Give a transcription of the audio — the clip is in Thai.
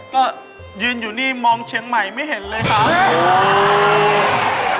ก็ยืนอยู่นี่มองเชียงใหม่ไม่เห็นเลยครับ